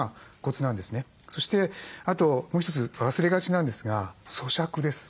そしてあともう一つ忘れがちなんですがそしゃくです。